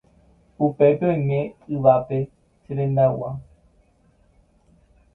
upépeko oime yvápe che rendag̃ua.